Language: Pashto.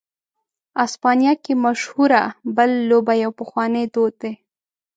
اسپانیا کې مشهوره "بل" لوبه یو پخوانی دود دی.